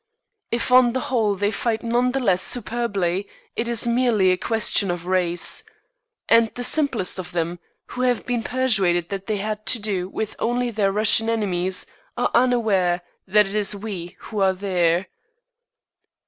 If on the whole they fight none the less superbly, it is merely a question of race. And the simplest of them, who have been persuaded that they had to do with only their Russian enemies, are unaware that it is we who are there.